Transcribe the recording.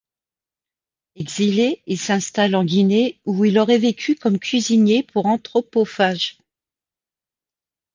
Exilé, il s'installe en Guinée où il aurait vécu comme cuisinier pour anthropophage.